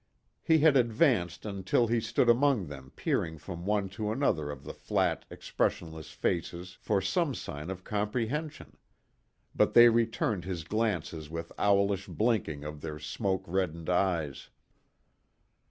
He had advanced until he stood among them peering from one to another of the flat expressionless faces for some sign of comprehension. But they returned his glances with owlish blinking of their smoke reddened eyes.